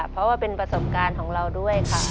เพราะว่าเป็นประสบการณ์ของเราด้วยค่ะ